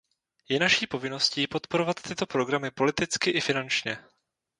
Je naší povinností podporovat tyto programy politicky i finančně.